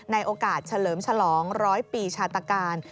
ในโอกาสเฉลิมฉลองร้อยปีชาตการ